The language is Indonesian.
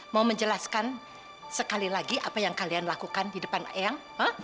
mau menjelaskan sekali lagi apa yang kalian lakukan di depan eyang pak